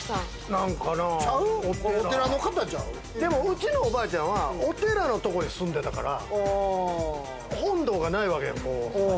なんかな、でも、うちのおばあちゃんは、お寺のところに住んでたから本堂がないわけよ。